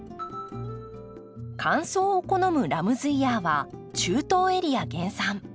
乾燥を好むラムズイヤーは中東エリア原産。